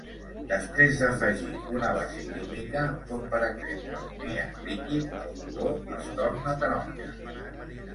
Després d'afegir una base química, com per exemple amoníac líquid, el color es torna taronja.